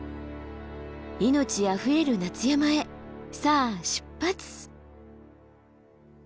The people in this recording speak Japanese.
命あふれる夏山へさあ出発！